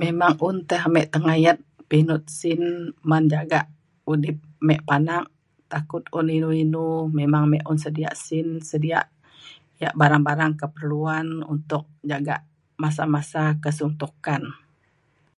memang un te ame tengayet pinut sin men jagak udip me panak takut un inu inu memang me un sedia sin sedia yak barang barang keperluan untuk jagak masa masa kesuntukan